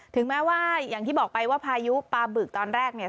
ถึงแม้ว่าอย่างที่บอกไปว่าพายุปลาบึกตอนแรกเนี่ย